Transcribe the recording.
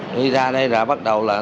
đi ra đây là bắt đầu